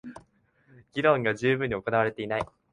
議論が充分に行われていない